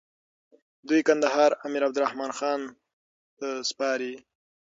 دوی کندهار امير عبدالرحمن خان ته سپاري.